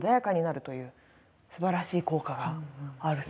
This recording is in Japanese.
というすばらしい効果があるそうなんです。